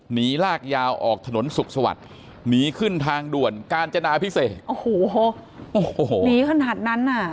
หนีลากยาวออกถนนสุขสวัสดิ์หนีขึ้นทางด่วนกาญจนาพิเศษโอ้โหโอ้โหหนีขนาดนั้นน่ะ